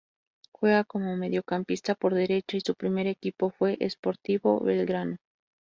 Juega como mediocampista por derecha y su primer equipo fue Sportivo Belgrano.